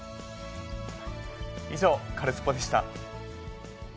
以上、カルスポっ！でした。